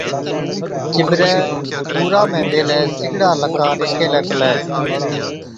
چِٻرَي ٻُورا ۾ ٻيهلَي سِگڙا لَڪا ڏيکي هِلَي پلَي۔